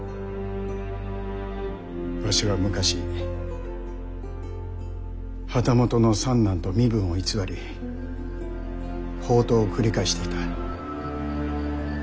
わしは昔旗本の三男と身分を偽り放とうを繰り返していた。